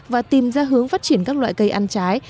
và tìm ra hướng phát triển các loại cây ăn trái